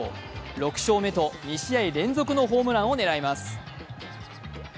６勝目と２試合連続のホームランを狙います。